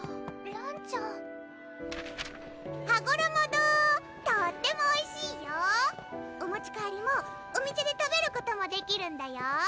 らんちゃんはごろも堂とーってもおいしいよ‼お持ち帰りもお店で食べることもできるんだよ